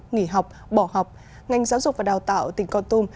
nghỉ học bỏ học ngành giáo dục và đào tạo tỉnh con tum